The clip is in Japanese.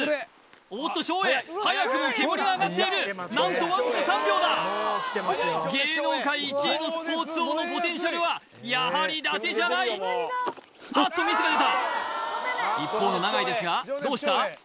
おっと照英早くも煙が上がっている何とわずか３秒だ芸能界１位のスポーツ王のポテンシャルはやはりだてじゃないあっとミスが出た一方の永井ですがどうした？